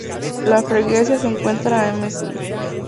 La freguesia se encuentra a msnm.